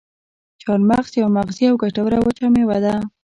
چارمغز یوه مغذي او ګټوره وچه میوه ده.